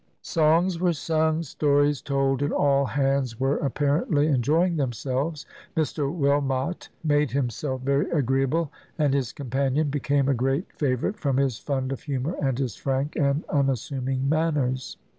Songs were sung, stories told, and all hands were apparently enjoying themselves. Mr Wilmot made himself very agreeable, and his companion became a great favourite, from his fund of humour and his frank and unassuming manners.